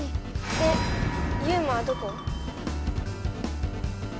でユウマはどこ？